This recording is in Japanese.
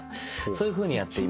そういうふうにやっています。